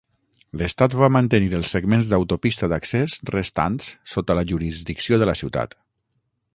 L'estat va mantenir els segments d'autopista d'accés restants sota la jurisdicció de la ciutat.